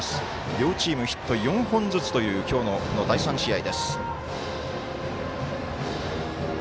両チームヒット４本ずつという今日の第３試合。